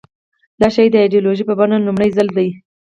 دا شی د ایدیالوژۍ په بڼه لومړي ځل ده.